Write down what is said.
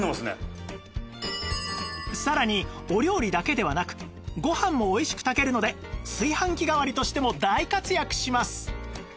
さらにお料理だけではなくご飯もおいしく炊けるので炊飯器代わりとしても大活躍します！